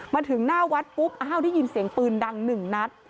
มาถึงหน้าวัดปุ๊บอ้าวได้ยินเสียงปืนดังหนึ่งนัด